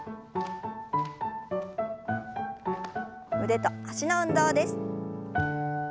腕と脚の運動です。